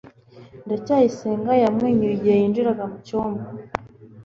ndacyayisenga yamwenyuye igihe j yinjiraga mu cyumba